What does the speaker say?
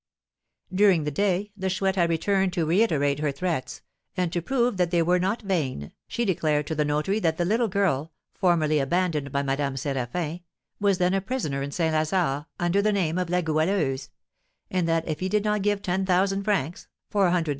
During the day the Chouette had returned to reiterate her threats; and to prove that they were not vain, she declared to the notary that the little girl, formerly abandoned by Madame Séraphin, was then a prisoner in St. Lazare, under the name of La Goualeuse; and that if he did not give ten thousand francs (400_l.